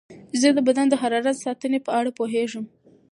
زه د بدن د حرارت ساتنې په اړه پوهېږم.